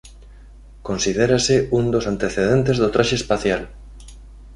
Considérase un dos antecedentes do traxe espacial.